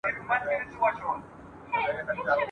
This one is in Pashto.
خو چي ښه نه وي درته غلیم سي !.